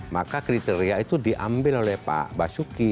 maka kriteria itu diambil oleh pak basuki